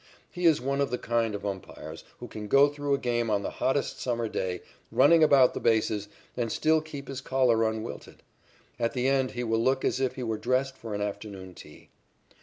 He is one of the kind of umpires who can go through a game on the hottest summer day, running about the bases, and still keep his collar unwilted. At the end he will look as if he were dressed for an afternoon tea.